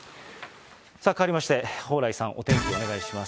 さあ、かわりまして、蓬莱さん、お天気お願いします。